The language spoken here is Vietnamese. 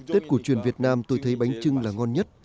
tết cổ truyền việt nam tôi thấy bánh trưng là ngon nhất